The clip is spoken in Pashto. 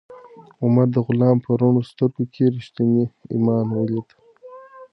عمر د غلام په رڼو سترګو کې ریښتینی ایمان ولید.